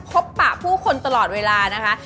ปะผู้คนตลอดเวลานะคะ